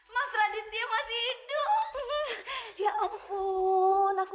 mas radityo lo lebih benefited yang tidakesampsrai